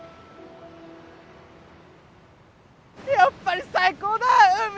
やっぱり最高だ海！